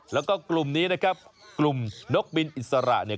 แล้วก็กลุ่มนี้นะครับกลุ่มนกบินอิสระเนี่ย